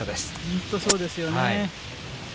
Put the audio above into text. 本当、そうですよね。